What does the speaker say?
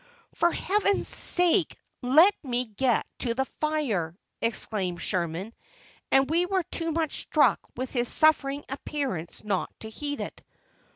"For Heaven's sake, let me get to the fire!" exclaimed Sherman, and we were too much struck with his suffering appearance not to heed it.